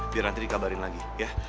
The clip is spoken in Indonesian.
biar nanti dikabarin lagi ya